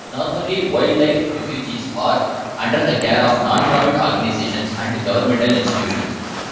Normally, wildlife refuges are under the care of non-profit organizations and governmental institutions.